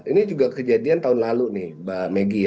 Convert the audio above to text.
ini juga kejadian tahun lalu nih mbak maggie